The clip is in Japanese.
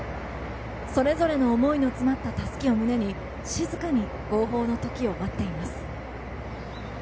それぞれの思いの詰まったたすきを胸に静かに号砲の時を待っています。